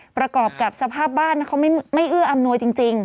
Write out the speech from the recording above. ประกอบกับสภาพบ้านเขาไม่เอื้ออำนวยจริง